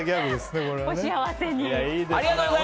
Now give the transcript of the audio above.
お幸せに。